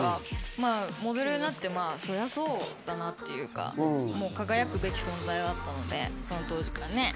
モデルになって、まぁそりゃそうだなっていうか、輝くべき存在だった、その当時からね。